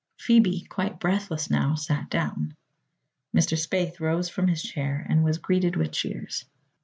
Phoebe, quite breathless now, sat down. Mr. Spaythe rose from his chair and was greeted with cheers.